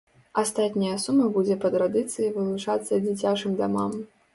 Астатняя сума будзе па традыцыі вылучацца дзіцячым дамам.